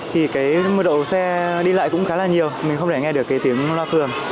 thì cái mưa đậu xe đi lại cũng khá là nhiều mình không thể nghe được cái tiếng loa phưởng